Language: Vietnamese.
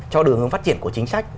cho đường hướng phát triển của chính sách